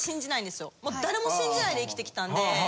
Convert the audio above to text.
誰も信じないで生きてきたんで。